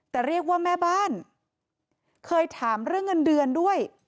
แต่เรียกว่าแม่บ้านเคยถามเรื่องเงินเดือนด้วย